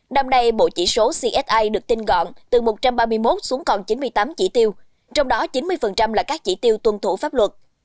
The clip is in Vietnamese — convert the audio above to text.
năm nay bộ chỉ số csi được tin gọn từ một trăm ba mươi một xuống còn chín mươi tám chỉ tiêu trong đó chín mươi là các chỉ tiêu tuân thủ pháp luật